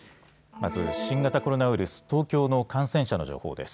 まず新型コロナウイルス、東京の感染者の情報です。